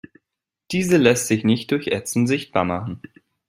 Diese lässt sich nicht durch Ätzen sichtbar machen.